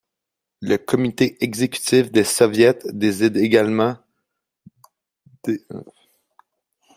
Le comité exécutif des soviets décide également d'.